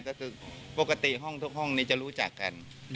ก็คือปกติห้องทุกห้องนี้จะรู้จักกัน